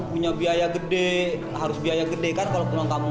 punya biaya gede harus biaya gede kan kalau pulang kampung